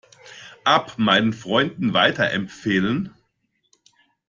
App meinen Freunden weiterempfehlen.